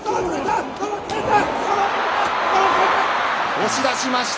押し出しました。